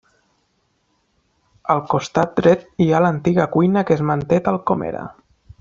Al costat dret hi ha l'antiga cuina que es manté tal com era.